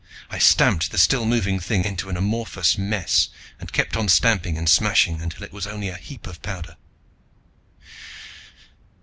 I stamped the still moving thing into an amorphous mess and kept on stamping and smashing until it was only a heap of powder.